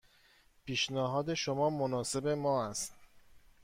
پیشنهاد شما مناسب ما است.